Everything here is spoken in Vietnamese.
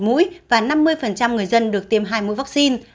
trong đó năm mươi người dân được tiêm hai mũi vaccine